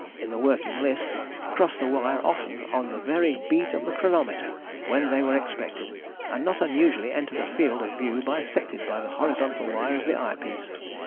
in the working list) cross the wire often on the very beat of the chronometer when they were expected, and not unusually enter the field of view bisected by the horizontal wire of the eye piece.